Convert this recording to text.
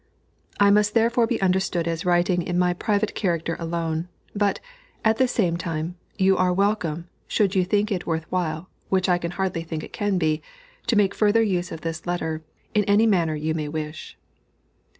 I must therefore be understood as writing in my private character alone, but, at the same time, you are welcome, should you think it worth while (which I can hardly think it can be), to make further use of this letter, in any manner you may wish.